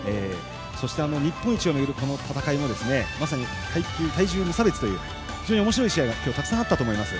そして、日本一をめぐるこの戦いはまさに、体重無差別ということで非常におもしろい試合が今日たくさんあったと思います。